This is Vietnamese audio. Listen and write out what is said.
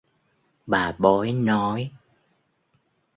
Bà bói nói